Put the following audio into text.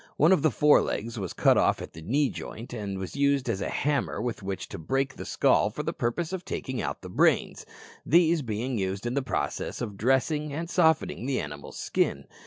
One of the fore legs was cut off at the knee joint, and this was used as a hammer with which to break the skull for the purpose of taking out the brains, these being used in the process of dressing and softening the animal's skin.